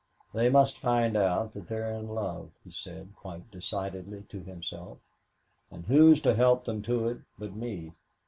"They must find out that they are in love," he said quite decidedly to himself, "and who's to help them to it but me?